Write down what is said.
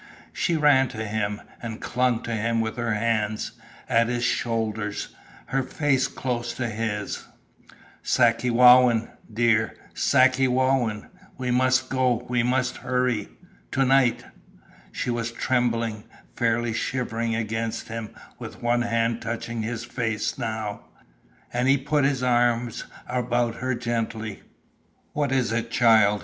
She ran to him, and clung to him with her hands at his shoulders, her face close to his. "Sakewawin dear Sakewawin we must go; we must hurry to night!" She was trembling, fairly shivering against him, with one hand touching his face now, and he put his arms about her gently. "What is it, child?"